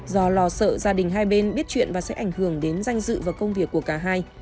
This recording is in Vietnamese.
do lò sợ gia đình hai bên biết chuyện và sẽ ảnh hưởng đến danh dự và công việc của các bạn